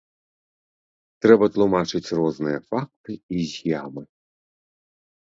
Трэба тлумачыць розныя факты і з'явы.